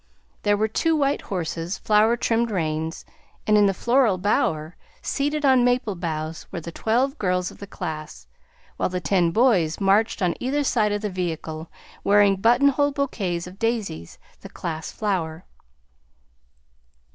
There were two white horses, flower trimmed reins, and in the floral bower, seated on maple boughs, were the twelve girls of the class, while the ten boys marched on either side of the vehicle, wearing buttonhole bouquets of daisies, the class flower.